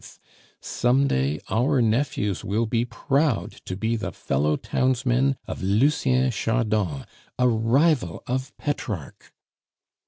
_ Some day our nephews will be proud to be the fellow townsmen of Lucien Chardon, a rival of Petrarch!!!"